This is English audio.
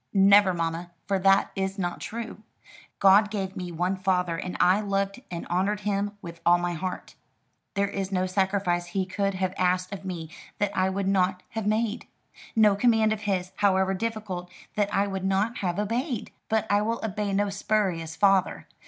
"Never, mamma, for that is not true. God gave me one father, and I loved and honoured him with all my heart. There is no sacrifice he could have asked of me that I would not have made; no command of his, however difficult, that I would not have obeyed. But I will obey no spurious father.